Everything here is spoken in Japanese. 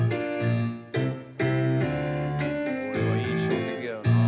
これは印象的だよなあ